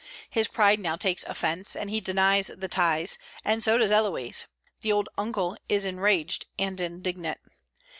His pride now takes offence, and he denies the ties; and so does Héloïse. The old uncle is enraged and indignant.